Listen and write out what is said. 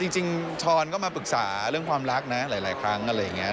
จริงช้อนก็มาปรึกษาเรื่องความรักนะหลายครั้งอะไรอย่างนี้